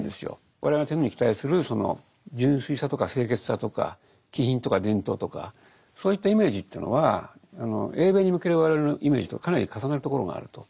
我々が天皇に期待するその純粋さとか清潔さとか気品とか伝統とかそういったイメージというのは英米に向ける我々のイメージとかなり重なるところがあると。